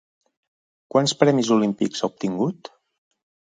Quants premis olímpics ha obtingut?